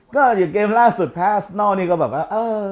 ก็อย่างเกมล่าสุดแพทย์นอกนี้ก็แบบว่า